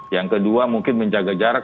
yang kedua mungkin menjaga jarak